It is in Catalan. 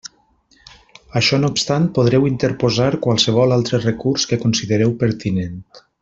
Això no obstant, podreu interposar qualsevol altre recurs que considereu pertinent.